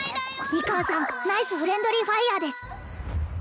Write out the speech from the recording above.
ミカンさんナイスフレンドリーファイヤーです